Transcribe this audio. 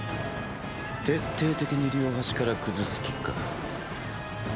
徹底的に両端から崩す気か。